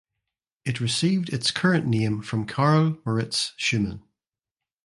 It received its current name from Karl Moritz Schumann.